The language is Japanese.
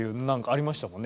ありましたよね。